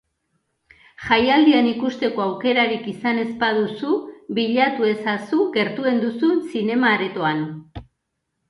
Jaialdian ikusteko aukerarik izan ez baduzu, bilatu ezazu gertuen duzun zinema-aretoan.